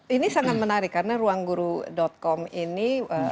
ini sangat menarik karena ruangguru com ini